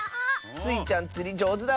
スイちゃんつりじょうずだもんね。